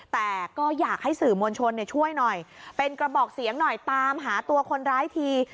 แต่ก็อยากให้สื่อมวลชนช่วยหน่อยเป็นกระบอกเสียงหน่อยตามหาตัวคนร้ายที